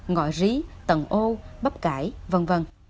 ngọ rí tận ô bắp cải v v